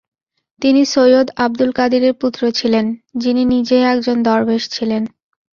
তিনি সৈয়দ আবদুল কাদিরের পুত্র ছিলেন, যিনি নিজেই একজন দরবেশ ছিলেন।